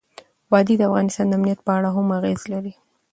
وادي د افغانستان د امنیت په اړه هم اغېز لري.